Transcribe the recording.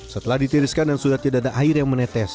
setelah ditiriskan dan sudah tidak ada air yang menetes